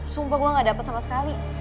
sumpah gue gak dapat sama sekali